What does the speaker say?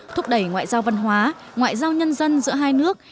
thúc đẩy ngoại giao văn hóa ngoại giao nhân dân giữa hai nước